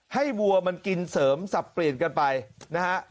วัวมันกินเสริมสับเปลี่ยนกันไปนะฮะ